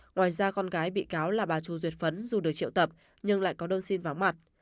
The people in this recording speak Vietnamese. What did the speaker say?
ngoài ra con gái bị cáo là bà chu duyệt phấn dù được triệu tập nhưng lại có đơn xin vắng mặt